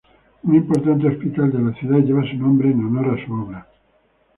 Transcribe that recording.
Un importante hospital de la ciudad lleva su nombre en honor a su obra.